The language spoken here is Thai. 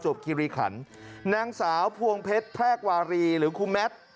คิริขันนางสาวพวงเพชรแพรกวารีหรือครูแมท